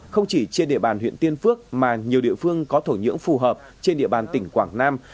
không chỉ trên địa bàn huyện tiên phước mà nhiều địa phương có thổ nhưỡng phù hợp trên địa bàn tỉnh quảng nam